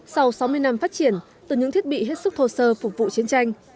sau sáu mươi năm phát triển từ những thiết bị hết sức thô sơ phục vụ chiến tranh